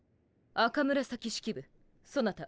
赤紫式部そなた